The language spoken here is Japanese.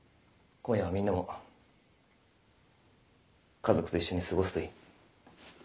今夜はみんなも家族と一緒に過ごすといい。